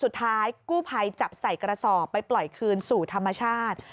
สุดท้ายกู้ภัยจับใส่กระสอบไปปล่อยคืนสู่ธรรมชาติ